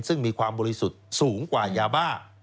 ซึ่งมีความบริสุทธิ์สูงกว่ายาบ้า